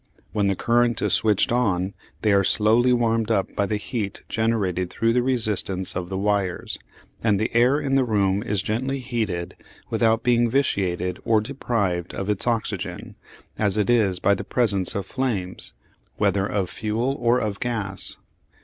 When the current is switched on they are slowly warmed up by the heat generated through the resistance of the wires, and the air in the room is gently heated without being vitiated or deprived of its oxygen as it is by the presence of flames, whether of fuel or of gas.